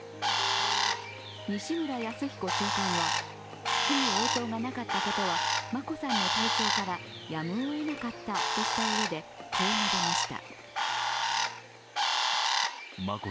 西村泰彦長官は、質疑応答がなかったことは眞子さんの体調から、やむをえなかったとしたうえで、こう述べました。